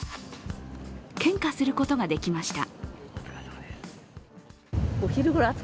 献花することができました。